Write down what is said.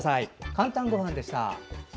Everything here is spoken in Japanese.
「かんたんごはん」でした。